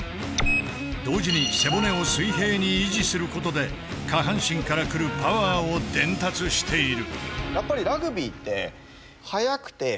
同時に背骨を水平に維持することで下半身からくるパワーを伝達している。